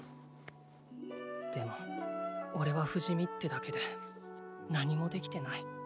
でも俺は不死身ってだけで何もできてない。